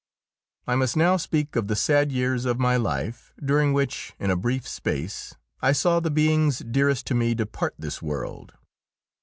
I must now speak of the sad years of my life during which, in a brief space, I saw the beings dearest to me depart this world.